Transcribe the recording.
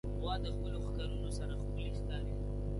غوا د خپلو ښکرونو سره ښکلي ښکاري.